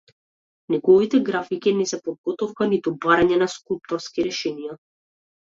Неговите графики не се подготовка, ниту барање на скулпторски решенија.